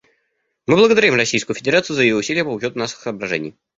Мы благодарим Российскую Федерацию за ее усилия по учету наших соображений.